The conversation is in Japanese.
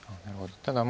ただまあ